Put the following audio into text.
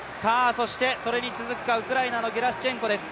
それに続くか、ウクライナのゲラシュチェンコです。